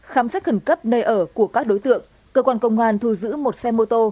khám xét khẩn cấp nơi ở của các đối tượng cơ quan cộng hoàn thu giữ một xe mô tô một dao bầu hai túi xách